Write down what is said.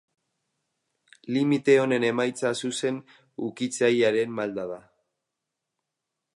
Limite honen emaitza zuzen ukitzailearen malda da.